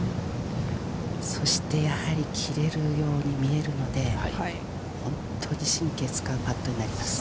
そしてやはり切れるように見えるので、本当に神経を使うパットになります。